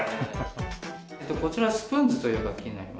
こちらスプーンズという楽器になります。